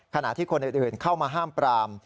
ขณะที่คนอื่นเข้ามาห้ามปราม